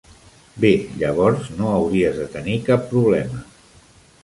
Bé, llavors no hauries de tenir cap problema.